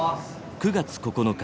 ９月９日。